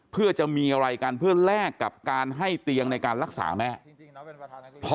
เพื่อจะมีอะไรกันเพื่อแลกกับการให้เตียงในการรักษาแม่